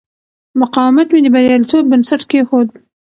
مقاومت مې د بریالیتوب بنسټ کېښود.